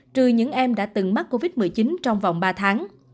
trừ những em đã từng mắc covid một mươi chín trong vòng ba tháng